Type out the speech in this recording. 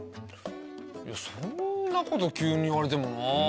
そんなこと急に言われてもなぁ。